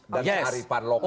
dan seharifan lokal